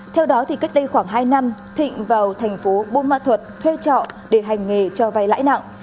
theo đó cách đây khoảng hai năm thịnh vào thành phố bôn ma thuật thuê trọ để hành nghề cho vay lãi nặng